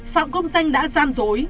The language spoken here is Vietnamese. phạm công danh đã gian dối